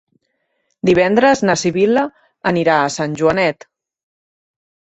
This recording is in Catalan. Divendres na Sibil·la anirà a Sant Joanet.